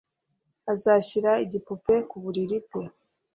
Azashyira igipupe ku buriri bwe